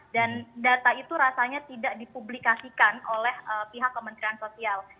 dan data itu rasanya tidak dipublikasikan oleh pihak kementerian sosial